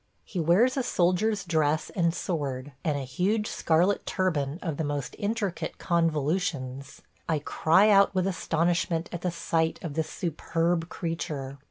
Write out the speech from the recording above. ... He wears a soldier's dress and sword, and a huge scarlet turban of the most intricate convolutions. I cry out with astonishment at the sight of this superb creature.